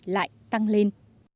lại tăng lên